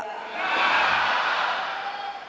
bener ada apa tidak